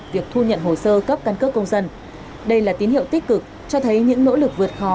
việc thu nhận hồ sơ cấp căn cước công dân đây là tín hiệu tích cực cho thấy những nỗ lực vượt khó